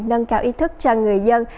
nâng cao ý thức cho người dân